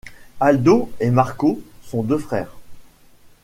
Aldo et Marco sont deux frères.